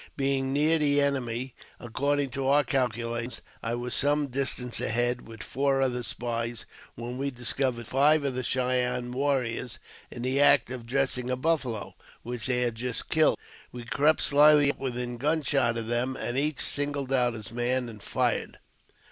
Being near the enemy," according to our calculations, I was some distance ahead, with four other spies, w^hen we discovered five of the Cheyenne warriors in the act of dressing a buffalo, which th had just killed. We crept slyly up within gunshot of the and each singled out his man and fired.